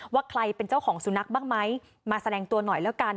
ว่าใครเป็นเจ้าของสุนัขบ้างไหมมาแสดงตัวหน่อยแล้วกัน